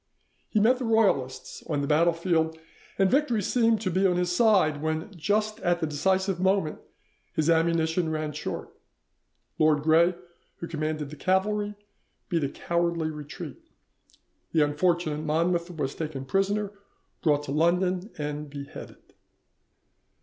He met the Royalists on the battlefield, and victory seemed to be on his side, when just at the decisive moment his ammunition ran short. Lord Gray, who commanded the cavalry, beat a cowardly retreat, the unfortunate Monmouth was taken prisoner, brought to London, and beheaded.